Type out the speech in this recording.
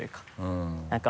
うん。